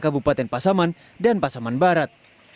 kabupaten pasaman dan pasaman barat